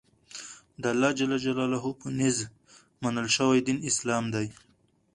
دالله ج په نزد منل شوى دين اسلام دى.